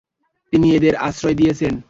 তিনি এঁদের আশ্রয় দিয়েছেন।